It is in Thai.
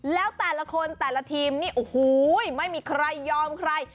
แล้วแต่ละคนแต่ละทีมนี่โอ้โหไม่มีใครยอมใคร